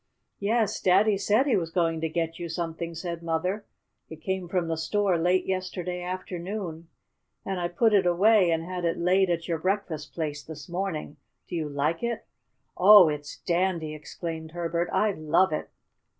"Yes, Daddy said he was going to get you something," said Mother. "It came from the store late yesterday afternoon, and I put it away, and had it laid at your breakfast place this morning. Do you like it?" "Oh, it's dandy!" exclaimed Herbert. "I love it!"